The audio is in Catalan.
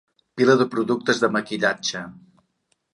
Pila de productes de maquillatge.